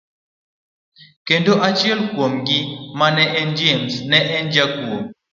Kendo achiel kuom gi ma en James ne en jakuo.